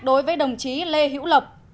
đối với đồng chí lê hữu lộc